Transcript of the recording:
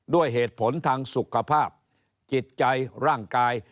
ด้วยเหตุผลทางสุขภาพจิตใจร่างกาย